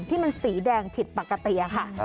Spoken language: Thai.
ที่มันสีแดงผิดปกติค่ะ